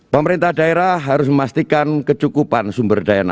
pemerintah daerah harus memastikan kecukupan sumber daya manusia